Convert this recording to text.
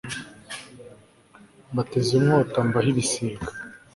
mbateze inkota mbahe ibisiga